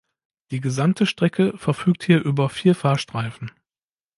Die gesamte Strecke verfügt hier über vier Fahrstreifen.